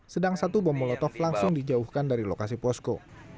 sedang satu bom molotov langsung dijauhkan dari lokasi posko